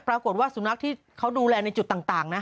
ปรากฏว่าสุนัขที่เขาดูแลในจุดต่างนะ